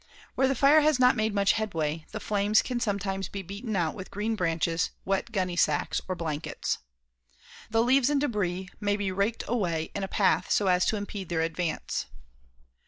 Where the fire has not made much headway, the flames can sometimes be beaten out with green branches, wet gunny sacks or blankets. The leaves and debris may be raked away in a path so as to impede their advance.